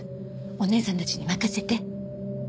お姉さんたちに任せて。